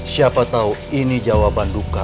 siapa tahu ini jawaban duka